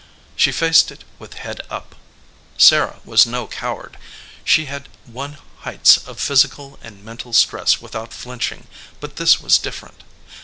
She faced it with head up. Sarah was no coward. She had won heights of physical and mental stress without flinching, but this was different.